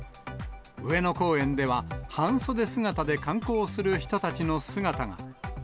上野公園では半袖姿で観光する人たちの姿が。